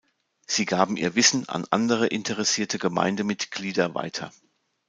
Sie gaben ihr Wissen an andere interessierte Gemeindemitglieder weiter.